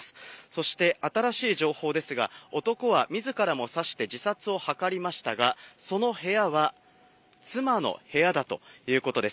そして、新しい情報ですが、男はみずからも刺して自殺を図りましたが、その部屋は妻の部屋だということです。